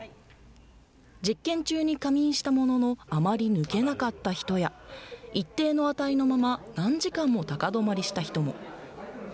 実験中に仮眠したもののあまり抜けなかった人や一定の値のまま何時間も高止まりした人も。